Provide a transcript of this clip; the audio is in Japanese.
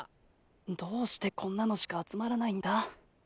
どうしてこんなのしか集まらないんだ。